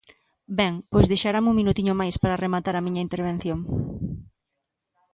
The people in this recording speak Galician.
Ben, pois deixarame un minutiño máis para rematar a miña intervención.